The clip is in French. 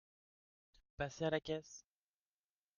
Passez à la caisse !